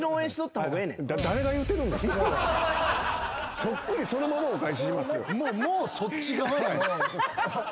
そっくりそのままお返ししますよ。